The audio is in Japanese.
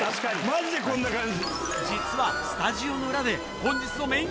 マジでこんな感じ。